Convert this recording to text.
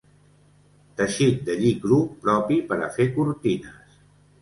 Teixit de lli cru propi per a fer cortines.